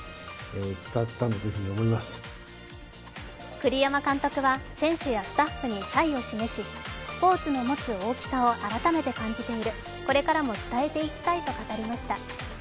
栗山監督は選手やスタッフに謝意を示しスポーツの持つ大きさを改めて感じている、これからも伝えていきたいと語りました。